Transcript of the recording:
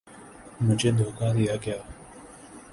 مجھے دھوکا دیا گیا ہے